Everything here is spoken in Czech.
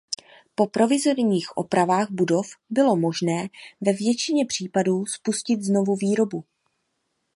Po provizorních opravách budov bylo možné ve většině případů spustit znovu výrobu.